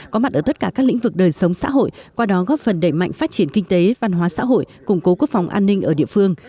có mặt ở tất cả các lĩnh vực đời sống xã hội qua đó góp phần đẩy mạnh phát triển kinh tế văn hóa xã hội củng cố quốc phòng an ninh ở địa phương